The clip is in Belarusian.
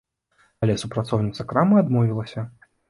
Але супрацоўніца крамы адмовілася.